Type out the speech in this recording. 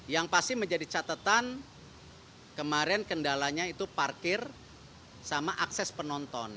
yang pasti menjadi catatan kemarin kendalanya itu parkir sama akses penonton